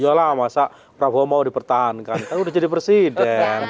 ya lah masa prabowo mau dipertahankan kan udah jadi presiden